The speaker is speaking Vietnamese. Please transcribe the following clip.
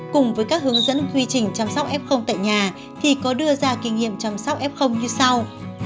cùng với các hướng dẫn quy trình chăm sóc f tại nhà thì có đưa ra kinh nghiệm chăm sóc f như sau